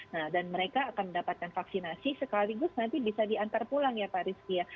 nah dan mereka akan mendapatkan vaksinasi sekaligus nanti bisa diantar pulang ya pak rizky ya